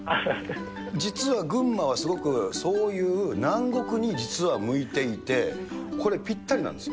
実は群馬は、すごくそういう南国に実は向いていて、これ、ぴったりなんです。